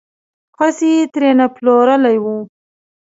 خوسی یې ترې نه پلورلی و.